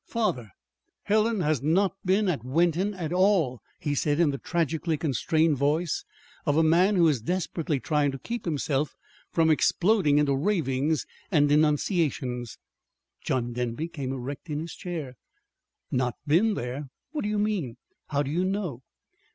"Father, Helen has not been at Wenton at all," he said in the tragically constrained voice of a man who is desperately trying to keep himself from exploding into ravings and denunciations. John Denby came erect in his chair. "Not been there What do you mean? How do you know?"